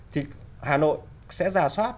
thì hà nội sẽ giả soát